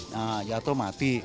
nah jatuh mati